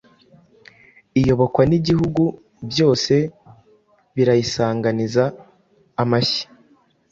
Iyobokwa n'ibihugu byose, Birayisanganiza amashyi.